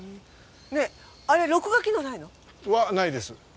ねえあれ録画機能ないの？はないです。